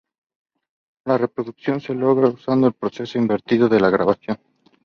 La reproducción se logra usando el proceso invertido de la grabación.